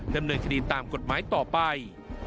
ดำเนินคดีตามกฎหมายต่อไป